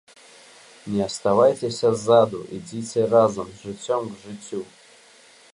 Не аставайцеся ззаду, ідзіце разам з жыццём к жыццю!